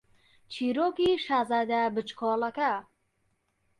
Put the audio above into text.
چیرۆکی شازادە بچکۆڵەکە